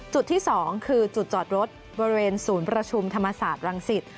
จุดที่๒คือจุดจอดรถบริเวณศูนย์ประชุมธรรมศาสตร์รังสิต